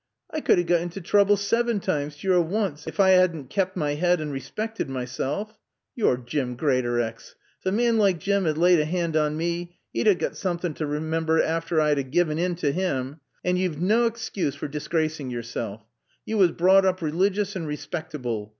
I could 'a got into trooble saven times to yore woonce, ef I 'ad'n kaped my 'ead an' respected mysel. Yore Jim Greatorex! Ef a maan like Jim 'ad laaid a 'and on mae, 'e'd a got soomthin' t' remamber afore I'd 'a gien in to 'im. An' yo've naw 'scuse for disgracin' yoresel. Yo was brought oop ralegious an' respactable.